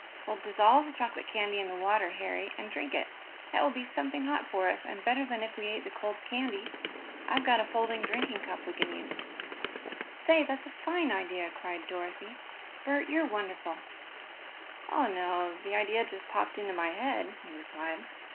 We'll dissolve the chocolate candy in the water, Harry, and drink it. That will be something hot for us, and better than if we ate the cold candy. I've got a folding drinking cup we can use." "Say, that's a fine idea!" cried Dorothy. "Bert, you're wonderful." "Oh, no, the idea just popped into my head," he replied.